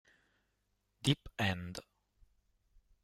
Deep End